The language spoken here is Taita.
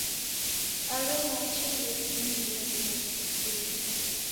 Agha machi ndeghinimerie kau.